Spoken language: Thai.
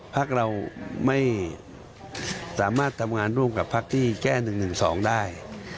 พักเราไม่สามารถทำงานร่วมกับพักที่แก้๑๑๒ได้